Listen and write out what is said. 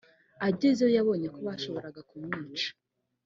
agezeyo yabonye ko bashoboraga kumwica